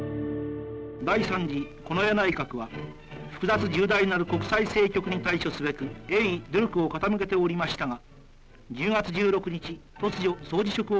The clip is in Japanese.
「第３次近衛内閣は複雑重大なる国際政局に対処すべく鋭意努力を傾けておりましたが１０月１６日突如総辞職を決行。